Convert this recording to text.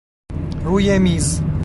روی میز